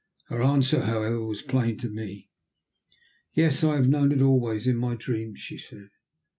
Her answer, however, was plain to me. "Yes, I have known it always in my dreams," she said.